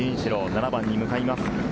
７番に向かいます。